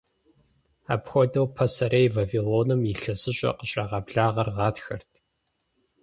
Апхуэдэу, Пасэрей Вавилоным ИлъэсыщӀэр къыщрагъэблагъэр гъатхэрт.